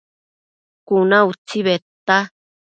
Cuna utsi bedta